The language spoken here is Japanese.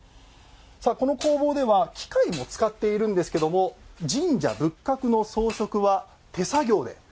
さあこの工房では機械も使っているんですけども神社仏閣の装飾は手作業で行っています。